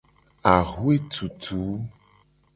Axwe tutu.